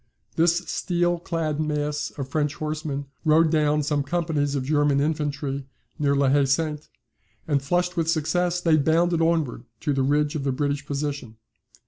This steel clad mass of French horsemen rode down some companies of German infantry, near La Haye Sainte, and flushed with success, they bounded onward to the ridge of the British position.